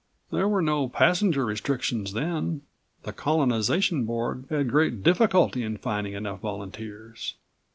"There were no passenger restrictions then. The Colonization Board had great difficulty in finding enough volunteers."